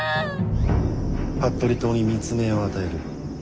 服部党に密命を与える。